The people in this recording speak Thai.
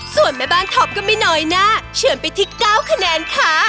ส่วนแม่บ้านท็อปก็ไม่น้อยหน้าเฉินไปที่๙คะแนนค่ะ